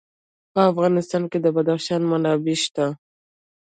په افغانستان کې د بدخشان منابع شته.